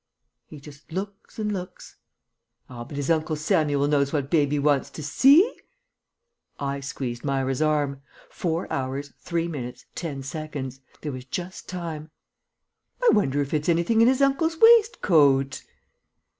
"He just looks and looks. Ah! but his Uncle Samuel knows what baby wants to see." (I squeezed Myra's arm. 4 hrs. 3 mins. 10 secs. There was just time.) "I wonder if it's anything in his uncle's waistcoat?"